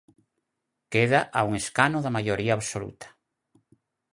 Queda a un escano da maioría absoluta.